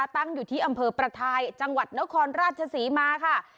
ตั้งอยู่ที่อำเภอประทายจังหวัดนครราชศรีมาค่ะ